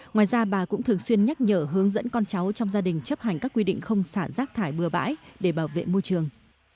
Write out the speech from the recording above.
ngoài ra bà cũng thường xuyên nhắc nhở hướng dẫn con cháu trong gia đình chấp hành các quy định không xả rác thải bừa bãi để bảo vệ môi trường